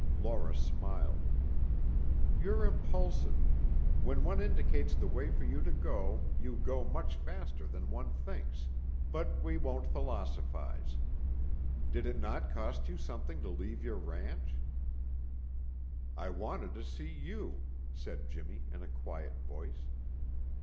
Laura smiled. "You're impulsive. When one indicates the way for you to go, you go much faster than one thinks, but we won't philosophize. Did it not cost you something to leave your ranch?" "I wanted to see you," said Jimmy in a quiet voice.